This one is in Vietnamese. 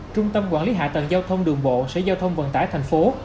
trung tâm quản lý hạ tầng giao thông đường bộ sở giao thông vận tải tp hcm